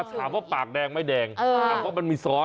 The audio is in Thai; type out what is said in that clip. คราบว่าภาพแดงไม่แดงฟอนาวะว่ามีซอส